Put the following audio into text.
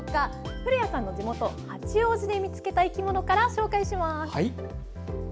古谷さんの地元・八王子で見つけた生き物から紹介します。